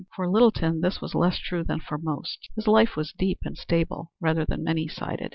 For Littleton this was less true than for most. His life was deep and stable rather than many sided.